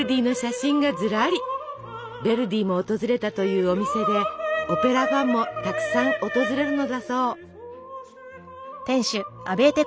ヴェルディも訪れたというお店でオペラファンもたくさん訪れるのだそう。